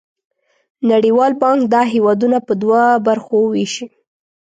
نړیوال بانک دا هېوادونه په دوه برخو ویشي.